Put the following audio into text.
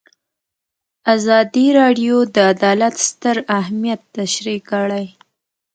ازادي راډیو د عدالت ستر اهميت تشریح کړی.